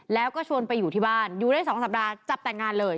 แล้วก็ชวนไปอยู่ที่บ้านอยู่ได้๒สัปดาห์จับแต่งงานเลย